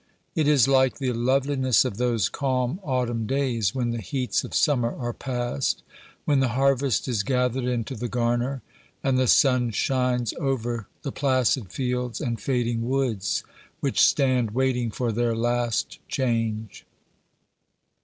It is like the loveliness of those calm autumn days, when the heats of summer are past, when the harvest is gathered into the garner, and the sun shines over the placid fields and fading woods, which stand waiting for their last change.